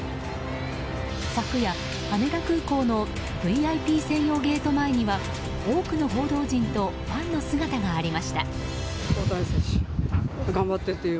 昨夜、羽田空港のＶＩＰ専用ゲート前には多くの報道陣とファンの姿がありました。